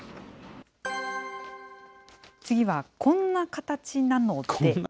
次はこんな形なので。